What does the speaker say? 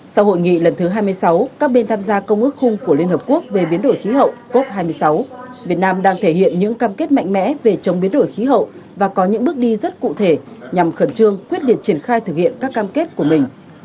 sau hội nghị lần thứ hai mươi sáu các bên tham gia công ước khung của liên hợp quốc về biến đổi khí hậu cop hai mươi sáu việt nam đang thể hiện những cam kết mạnh mẽ về chống biến đổi khí hậu và có những bước đi rất cụ thể nhằm khẩn trương quyết liệt triển khai thực hiện các cam kết của mình